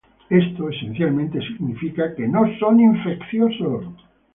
Esto esencialmente significa que no son infecciosos.